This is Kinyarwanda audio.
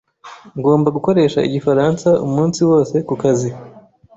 Ngomba gukoresha igifaransa umunsi wose kukazi.